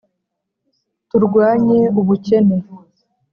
turwanye ubukene